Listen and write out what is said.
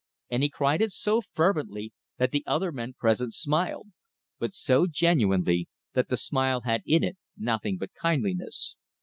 and he cried it so fervently that the other men present smiled; but so genuinely that the smile had in it nothing but kindliness.